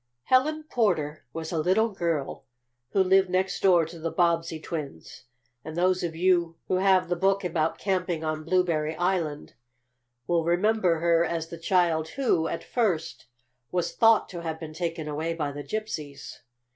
Helen Porter was a little girl who lived next door to the Bobbsey twins, and those of you who have the book about camping on Blueberry Island will remember her as the child who, at first, was thought to have been taken away by the Gypsies.